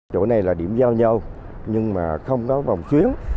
chỗ này là điểm giao nhau nhưng mà không có vòng xuyến